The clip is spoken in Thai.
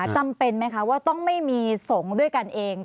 จำเป็นไหมคะว่าต้องไม่มีสงฆ์ด้วยกันเอง